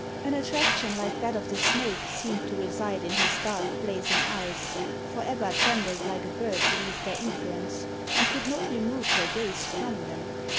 An attraction like that of the snake seemed to reside in his dark blazing eyes, for Ebba trembled like a bird beneath their influence, and could not remove her gaze from them.